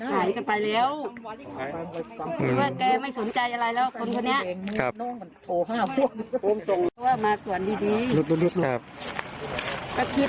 หายกันไปแล้วหรือว่าแกไม่สนใจอะไรแล้วของพวกเธอเนี้ย